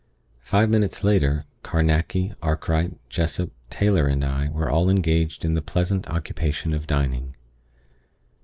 Five minutes later, Carnacki, Arkright, Jessop, Taylor, and I were all engaged in the "pleasant occupation" of dining.